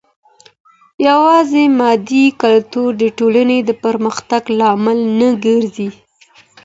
يوازي مادي کلتور د ټولني د پرمختګ لامل نه ګرځي.